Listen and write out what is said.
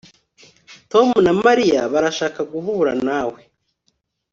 Tom na Mariya barashaka guhura nawe